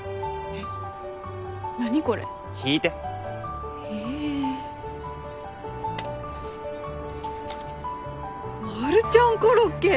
えっ何これ引いてえマルちゃんコロッケ！